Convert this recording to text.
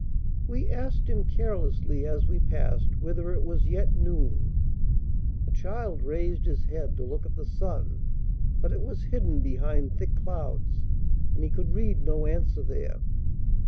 We asked him carelessly as we passed whether it was yet noon. The child raised his head to look at the sun, but it was hidden behind thick clouds, and he could read no answer there.